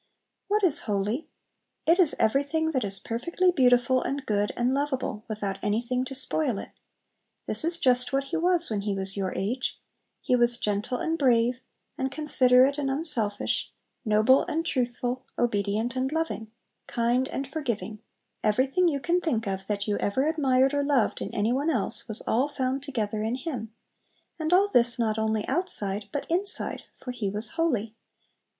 What is "holy"? It is everything that is perfectly beautiful and good and lovable, without anything to spoil it. This is just what He was when He was your age. He was gentle and brave, and considerate and unselfish, noble and truthful, obedient and loving, kind and forgiving, everything you can think of that you ever admired or loved in any one else was all found together in Him, and all this not only outside, but inside, for He was "holy."